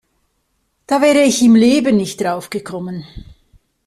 Da wäre ich im Leben nicht drauf gekommen.